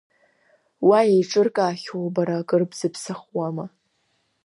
Уа еиҿыркаахьоу бара акыр бзыԥсахуама?